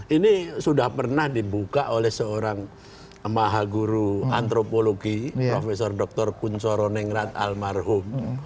ini sudah pernah dibuka oleh seorang maha guru antropologi prof dr kunchoro nengrat almarhum